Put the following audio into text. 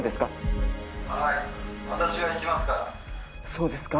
そうですか。